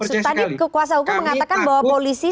tadi kuasa hukum mengatakan bahwa polisi